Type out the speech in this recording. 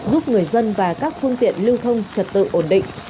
giúp người dân và các phương tiện lưu thông trật tự ổn định